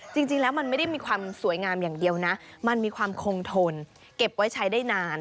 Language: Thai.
จริงแล้วมันไม่ได้มีความสวยงามอย่างเดียวนะมันมีความคงทนเก็บไว้ใช้ได้นาน